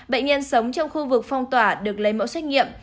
bệnh nhân sống trong khu vực phong tỏa được lấy mẫu xét nghiệm